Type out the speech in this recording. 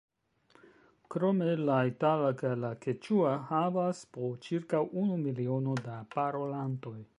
Krome la itala kaj la keĉua havas po ĉirkaŭ unu miliono da parolantoj.